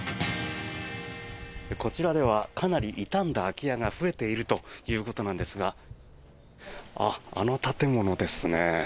こちらではかなり傷んだ空き家が増えているということなんですがあの建物ですね。